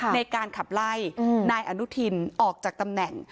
ในการขับไล่นายอนุทินออกจากตำแหน่ง